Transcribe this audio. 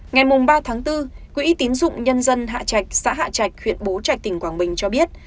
ngày ba bốn quỹ tín dụng nhân dân hạ trạch xã hạ trạch huyện bố trạch tỉnh quảng bình cho biết